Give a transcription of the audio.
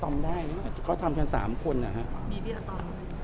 ก็เดี๋ยวอาตอมได้เขาทำฉันสามคนนะฮะมีพี่อาตอมด้วย